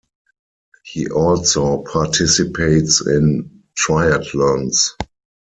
He also participates in triathlons.